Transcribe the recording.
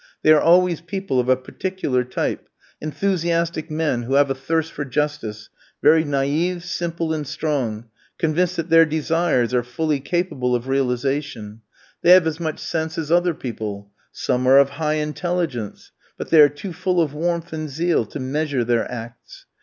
They are always people of a peculiar type, enthusiastic men, who have a thirst for justice, very naïve, simple, and strong, convinced that their desires are fully capable of realisation; they have as much sense as other people; some are of high intelligence; but they are too full of warmth and zeal to measure their acts.